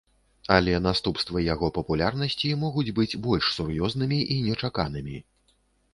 Але наступствы яго папулярнасці могуць быць больш сур'ёзнымі і нечаканымі.